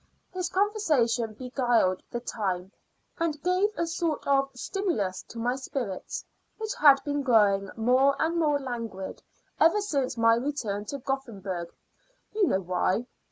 His conversation beguiled the time, and gave a sort of stimulus to my spirits, which had been growing more and more languid ever since my return to Gothenburg; you know why.